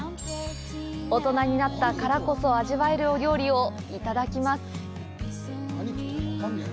大人になったからこそ味わえるお料理をいただきます。